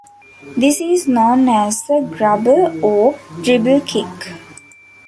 This is known as a grubber or dribble kick.